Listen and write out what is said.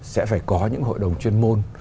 sẽ phải có những hội đồng chuyên môn